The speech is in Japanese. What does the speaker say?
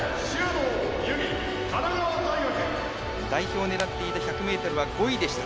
代表になっていた１００ｍは５位でした。